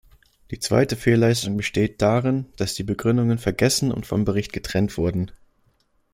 Die zweite Fehlleistung besteht darin, dass die Begründungen vergessen und vom Bericht getrennt wurden.